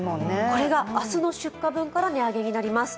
これが明日の出荷分から値上げになります。